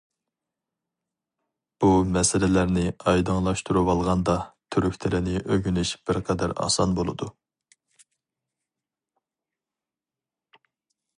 بۇ مەسىلىلەرنى ئايدىڭلاشتۇرۇۋالغاندا تۈرك تىلىنى ئۆگىنىش بىرقەدەر ئاسان بولىدۇ.